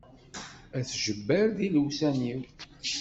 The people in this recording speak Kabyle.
At Jebbal d ilewsan-iw.